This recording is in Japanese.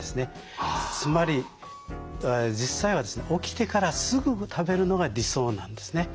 つまり実際は起きてからすぐ食べるのが理想なんですね。